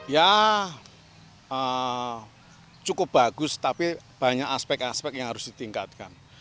ya cukup bagus tapi banyak aspek aspek yang harus ditingkatkan